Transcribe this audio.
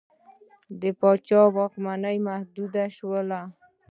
د پاچا واکونه محدود شول.